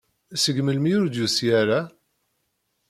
Seg melmi ur d-yusi ara?